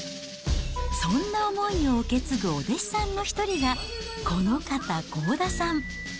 そんな思いを受け継ぐお弟子さんの一人が、この方、合田さん。